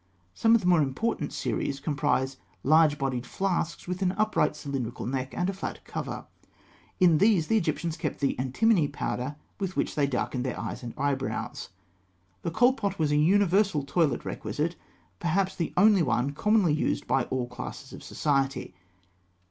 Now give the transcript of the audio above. Some of the more important series comprise large bodied flasks, with an upright cylindrical neck and a flat cover (fig. 219). In these, the Egyptians kept the antimony powder with which they darkened their eyes and eyebrows. The Kohl pot was a universal toilet requisite; perhaps the only one commonly used by all classes of society.